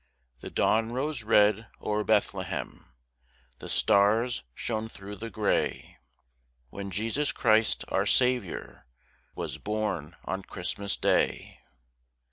The dawn rose red o'er Bethlehem, the stars shone through the gray, When Jesus Christ, our Saviour, was born on Christmas day.